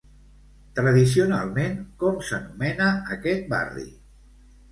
Tradicionalment com s'anomena aquest barri?